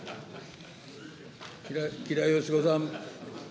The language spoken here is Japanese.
吉良よし子さん。